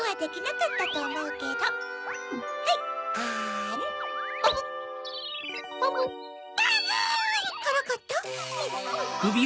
からかった？